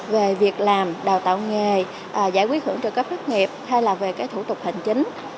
về việc làm đào tạo nghề giải quyết hưởng trợ cấp thất nghiệp hay là về cái thủ tục hành chính